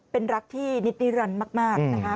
เป็นรักที่นิดนิรันดิ์มากนะคะ